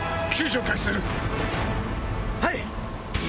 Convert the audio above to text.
はい！